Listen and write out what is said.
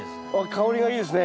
香りがいいですね